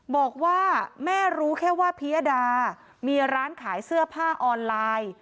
บอกว่าแม่รู้แค่ว่าพิยดามีร้านขายเสื้อผ้าออนไลน์